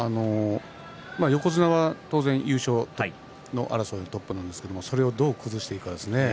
横綱は当然優勝争いトップなんですがそれをどう崩していくかですね。